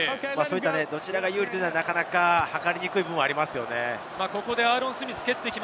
どちらが有利というのは、なかなかはかりにくい部分もありますね。